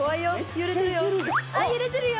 揺れてるよ